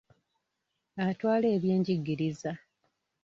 Atwala ebyenjigiriza.